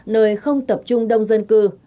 nơi không tập trung đông dân cư